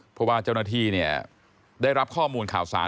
เพราะว่าเจ้าหน้าที่ได้รับข้อมูลข่าวสาร